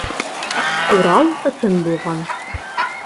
- Урал ысын булған.